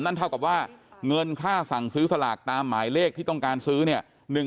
นั่นเท่ากับว่าเงินค่าสั่งซื้อสลากตามหมายเลขที่ต้องการซื้อเนี่ย